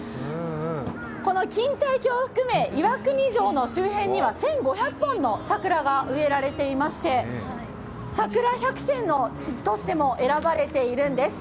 この錦帯橋を含め、岩国城の周辺には１５００本の桜が植えられておりましてさくら１００選の地としても選ばれているんです。